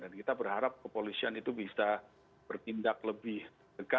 dan kita berharap kepolisian itu bisa berkindak lebih tegaslah dalam